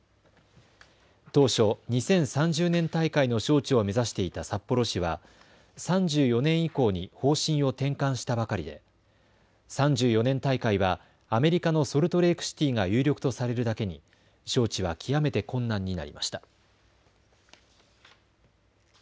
当初、２０３０年大会の招致を目指していた札幌市は３４年以降に方針を転換したばかりで３４年大会はアメリカのソルトレークシティーが有力とされるだけに招致は極めて困難になりました。